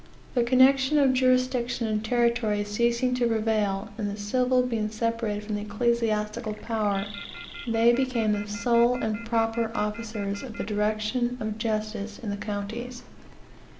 The connection of jurisdiction and territory ceasing to prevail, and the civil being separated from the ecclesiastical power, they became the sole and proper officers for the direction of justice in the counties.